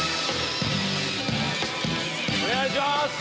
お願いします。